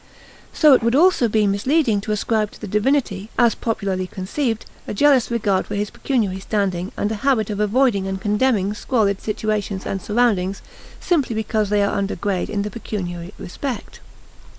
So it would also be misleading to ascribe to the divinity, as popularly conceived, a jealous regard for his pecuniary standing and a habit of avoiding and condemning squalid situations and surroundings simply because they are under grade in the pecuniary respect.